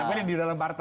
tapi ini di dalam partai